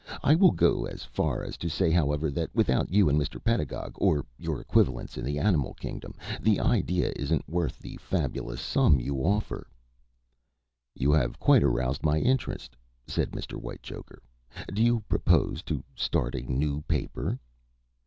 I will go as far as to say, however, that without you and Mr. Pedagog, or your equivalents in the animal kingdom, the idea isn't worth the fabulous sum you offer." "You have quite aroused my interest," said Mr. Whitechoker. "Do you propose to start a new paper?"